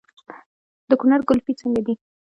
د کونړ ګلپي څنګه ده؟